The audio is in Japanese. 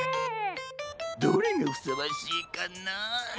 どれがふさわしいかなンヅフッ。